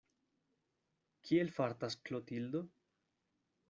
Kiel fartas Klotildo?